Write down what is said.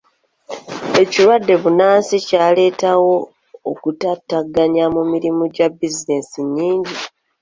Ekirwadde bbunansi kyaleetawo okutaataaganya mu mirimu gya bizinensi nnyingi.